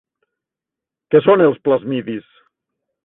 Què són els plasmidis?